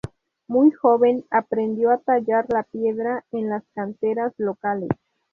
Muy joven, aprendió a tallar la piedra en las canteras locales.